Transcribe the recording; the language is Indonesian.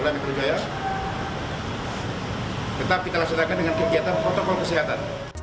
tetap ditalah sedangkan dengan kegiatan protokol kesehatan